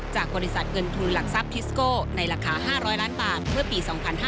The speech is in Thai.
จากบริษัทเงินทุนหลักทรัพย์ทิสโก้ในราคา๕๐๐ล้านบาทเมื่อปี๒๕๕๙